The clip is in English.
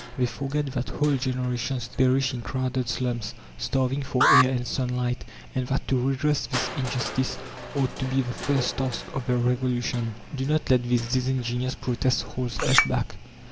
They forget that whole generations perish in crowded slums, starving for air and sunlight, and that to redress this injustice ought to be the first task of the Revolution. Do not let these disingenuous protests hold us back.